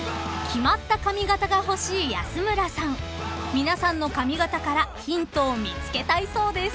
［皆さんの髪形からヒントを見つけたいそうです］